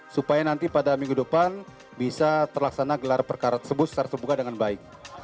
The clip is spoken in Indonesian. supaya nanti pada minggu depan bisa terlaksana gelar perkara tersebut secara terbuka dengan baik